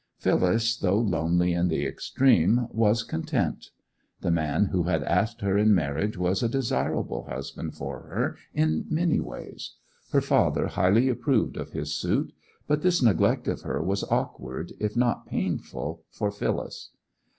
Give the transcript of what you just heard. Phyllis, though lonely in the extreme, was content. The man who had asked her in marriage was a desirable husband for her in many ways; her father highly approved of his suit; but this neglect of her was awkward, if not painful, for Phyllis.